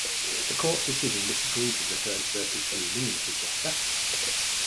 The Court's decision disagreed with the Third Circuit's ruling in "Chittister".